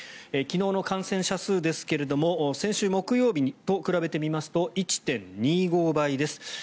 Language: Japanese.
昨日の感染者数ですが先週木曜日と比べてみますと１．２５倍です。